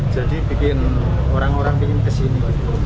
jadi bikin orang orang pingin kesini